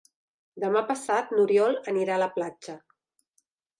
Demà passat n'Oriol anirà a la platja.